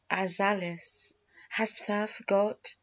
Azalis, Hast thou forgot?